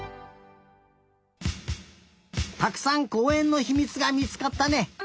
たくさんこうえんのひみつがみつかったね。